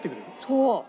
そう。